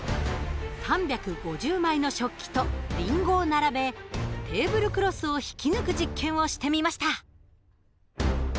３５０枚の食器とりんごを並べテーブルクロスを引き抜く実験をしてみました。